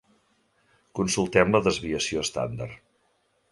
Consultem la desviació estàndard.